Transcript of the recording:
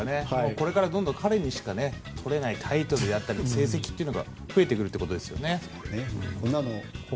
これからどんどん彼にしかとれないタイトルであったり成績が増えてくるということですね。